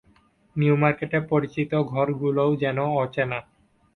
New মার্কেটের পরিচিত ঘরগুলোও যেন অচেনা।